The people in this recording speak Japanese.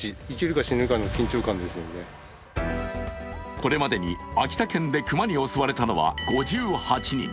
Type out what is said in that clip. これまでに秋田県で熊に襲われたのは５８人。